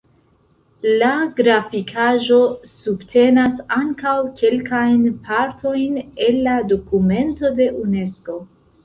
La grafikaĵo subtenas ankaŭ kelkajn partojn el la dokumento de Unesko.